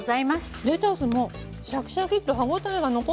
レタスもシャキシャキッと歯応えが残ってる！